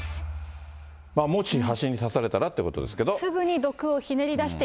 もしハチに刺されたらということですけれども、すぐに毒をひねり出して、